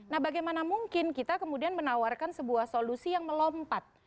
nah bagaimana mungkin kita kemudian menawarkan sebuah solusi yang melompat